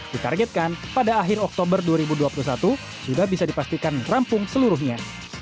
ditargetkan pada akhir oktober dua ribu dua puluh satu sudah bisa dipastikan rampung seluruhnya